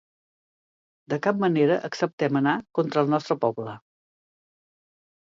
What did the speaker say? De cap manera acceptem anar contra el nostre poble.